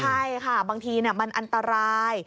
ใช่ค่ะบางทีมันอันตราย